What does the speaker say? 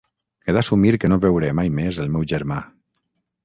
He d'assumir que no veuré mai més el meu germà...